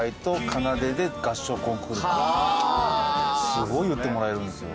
すごい言ってもらえるんですよ。